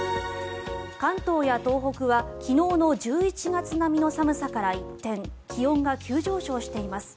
関東や東北は昨日の１１月並みの寒さから一転気温が急上昇しています。